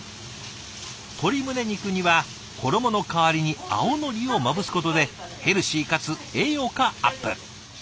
鶏胸肉には衣の代わりに青のりをまぶすことでヘルシーかつ栄養価アップ。